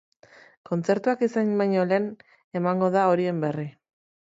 Kontzertuak izan baino lehen emango da horien berri.